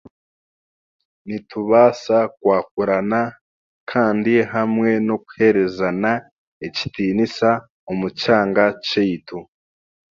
Nitubaasa kwakurana kandi hamwe n'okuheerezana ekitiniisa omu kyanga kyaitu